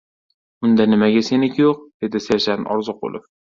— Unda, nimaga seniki yo‘q? — dedi serjant Orziqulov.